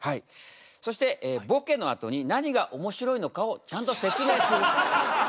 そしてボケのあとに何がおもしろいのかをちゃんと説明する。